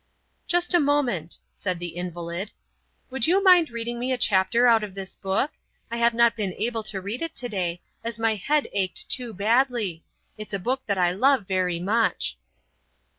"Just a moment," said the invalid; "Would you mind reading me a chapter out of this book? I have not been able to read it today, as my head ached too badly. It's a book that I love very much."